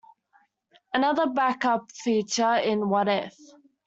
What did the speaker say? Another back-up feature in What If?